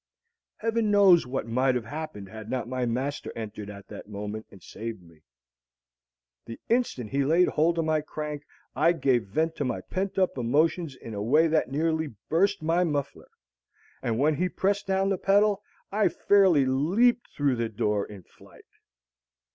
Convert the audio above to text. Heaven knows what might have happened had not my master entered at that moment and saved me. The instant he laid hold of my crank I gave vent to my pent up emotions in a way that nearly burst my muffler; and when he pressed down the pedal, I fairly leaped through the door in flight.